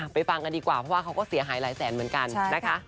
ฟังกันดีกว่าเพราะว่าเขาก็เสียหายหลายแสนเหมือนกันนะคะ